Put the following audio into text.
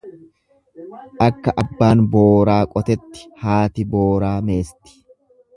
Akka abbaan Booraa qotetti haati Booraa meesti.